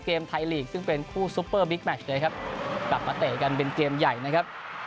เกมไทยลีกซึ่งเป็นคู่ซุปเปอร์บิ๊กแมชเลยครับกลับมาเตะกันเป็นเกมใหญ่นะครับ